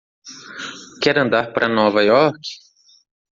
Quer andar para Nova York?